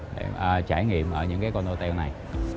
để trải nghiệm ở những cái con hotel này